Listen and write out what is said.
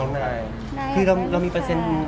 ได้เลยค่ะ